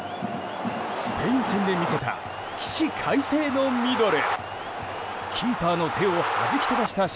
スペイン戦で見せた起死回生のミドル。